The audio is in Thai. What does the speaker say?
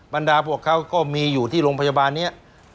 บรรดาพวกเขาก็มีอยู่ที่โรงพยาบาลนี้